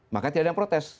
maka tidak ada yang protes